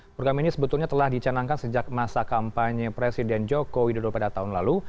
program ini sebetulnya telah dicanangkan sejak masa kampanye presiden jokowi di depan tahun lalu